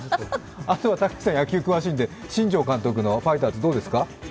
たけしさん、野球、詳しいんで、新庄監督のファイターズ、どうですか。